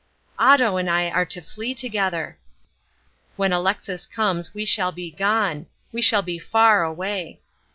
Otto and I are to flee together. When Alexis comes we shall be gone; we shall be far away.